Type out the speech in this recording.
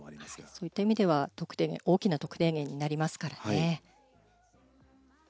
そういった意味では大きな得点源になりますからね。